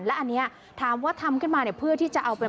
และอันนี้ถามว่าทำเข้ามาเพื่อที่จะเอาเป็น